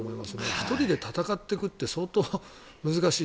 １人で戦っていくって相当難しい。